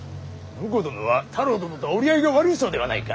婿殿は太郎殿と折り合いが悪いそうではないか。